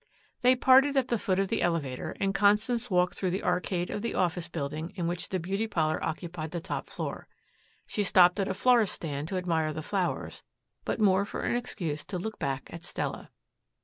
They parted at the foot of the elevator and Constance walked through the arcade of the office building in which the beauty parlor occupied the top floor. She stopped at a florist's stand to admire the flowers, but more for an excuse to look back at Stella.